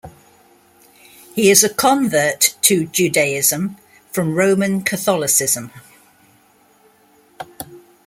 He is a convert to Judaism from Roman Catholicism.